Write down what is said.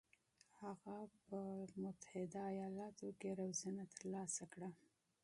هغه په متحده ایالاتو کې روزنه ترلاسه کړه.